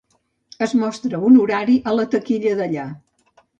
Es mostra un horari a la taquilla d'allà.